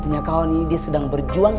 pertama kali berputus bahwa senang